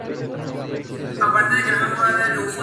Se encuentra en el transcurso del río Elba y el Elster Negro.